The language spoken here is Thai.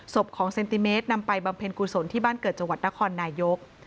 ศพของเซนติเมตรนำไปบำเพ็ญกุศลที่บ้านเกิดจังหวัดนครนายก